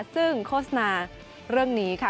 ซึ่งโฆษณาเรื่องนี้ค่ะ